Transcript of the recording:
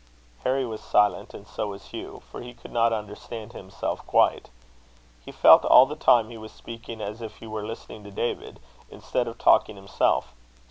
Harry was silent, and so was Hugh; for he could not understand himself quite. He felt, all the time he was speaking, is if he were listening to David, instead of talking himself.